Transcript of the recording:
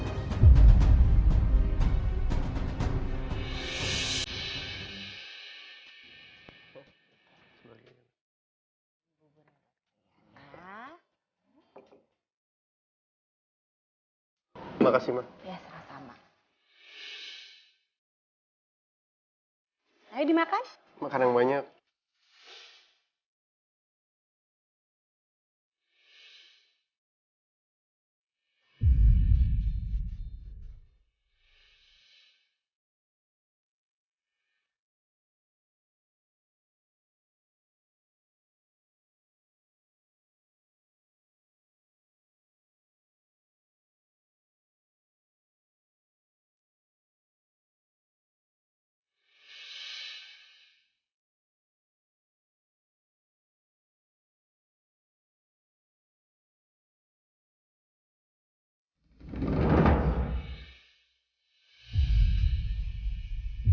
terima kasih ma